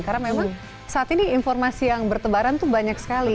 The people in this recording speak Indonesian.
karena memang saat ini informasi yang bertebaran tuh banyak sekali